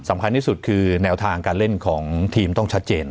สำคัญที่สุดคือแนวทางการเล่นของทีมต้องชัดเจน